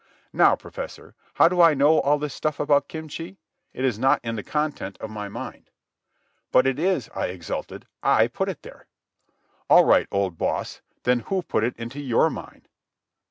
"Now, professor, how do I know all this stuff about kimchi? It is not in the content of my mind." "But it is," I exulted. "I put it there." "All right, old boss. Then who put it into your mind?"